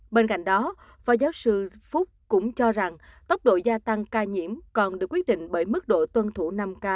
bên cạnh đó phó giáo sư phúc cũng cho rằng tốc độ gia tăng ca nhiễm còn được quyết định bởi mức độ tuân thủ năm